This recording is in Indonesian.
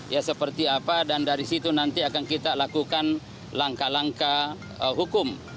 ya seperti apa dan dari situ nanti akan kita lakukan langkah langkah hukum